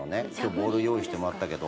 ボール用意してもらったけど。